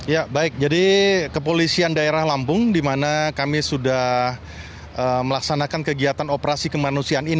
ya baik jadi kepolisian daerah lampung di mana kami sudah melaksanakan kegiatan operasi kemanusiaan